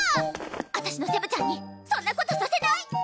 私のセブちゃんにそんなことさせない！